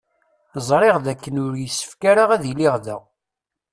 Ẓriɣ d akken ur yessefk ara ad iliɣ da.